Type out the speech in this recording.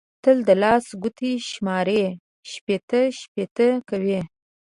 تل د لاس ګوتې شماري؛ شپېته شپېته کوي.